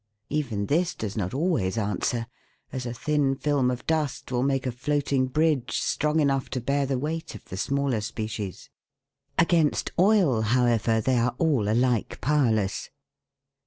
Even this does not always answer, as a thin film of dust will make a floating bridge strong enough to bear the weight of the smaller species. Against oil, however, they are all alike powerless.